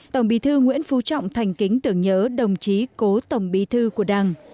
tổng bí thư nguyễn phú trọng thành kính tưởng nhớ đồng chí cố tổng bí thư của đảng